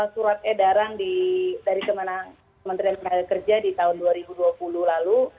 surat edarang dari kementerian pengajian kerja di tahun dua ribu dua puluh lalu